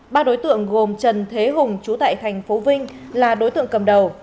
ba đối tượng gồm trần thế hùng trú tại thành phố vinh là đối tượng cầm đầu